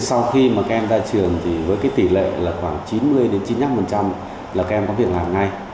sau khi các em ra trường thì với tỷ lệ khoảng chín mươi chín mươi năm là các em có việc làm ngay